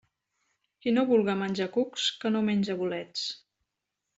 Qui no vulga menjar cucs, que no menge bolets.